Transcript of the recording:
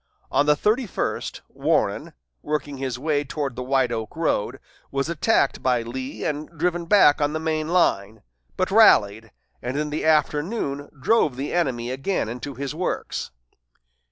On the thirty first, Warren, working his way toward the White Oak road, was attacked by Lee and driven back on the main line, but rallied, and in the afternoon drove the enemy again into his works.